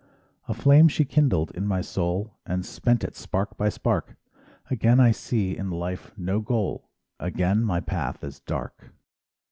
A flame she kindled in my soul And spent it spark by spark; Again I see in life no goal, Again my path is dark.